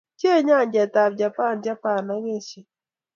bchee nyanjetab Japan, Japan ak Asia